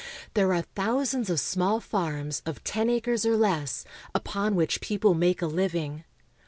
There are thousands of small farms, of ten acres or less, upon which people make a living.